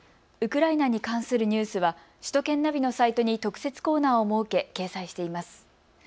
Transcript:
ウクライナに関するニュースは首都圏ナビのサイトに特設コーナーを設け掲載しています。